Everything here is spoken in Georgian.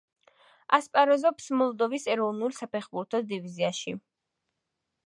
ასპარეზობს მოლდოვის ეროვნულ საფეხბურთო დივიზიაში.